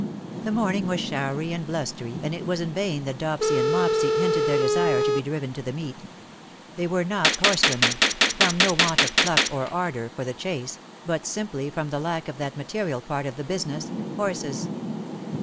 The morning was showery and blustery, and it was in vain that Dopsy and Mopsy hinted their desire to be driven to the meet. They were not horsewomen — from no want of pluck or ardour 204 " BUT IT SUFFICETH, for the chase — but simply from the lack of that material part of the business, horses.